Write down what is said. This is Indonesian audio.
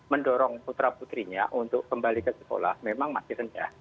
mendorong putra putrinya untuk kembali ke sekolah memang masih rendah